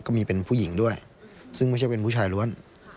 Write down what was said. ก็มีเป็นผู้หญิงด้วยซึ่งไม่ใช่เป็นผู้ชายล้วน